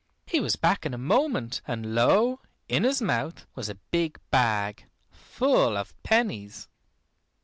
He was back in a moment, and lo! in his mouth was a big bag, full of pennies.